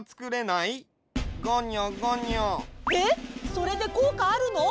それでこうかあるの？